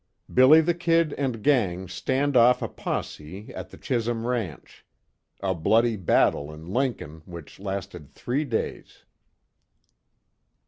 "BILLY THE KID" AND GANG STAND OFF A POSSE AT THE CHISUM RANCH. A BLOODY BATTLE IN LINCOLN, WHICH LASTED THREE DAYS.